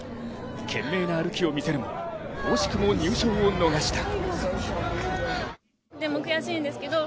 懸命な歩きを見せるも、惜しくも入賞を逃した。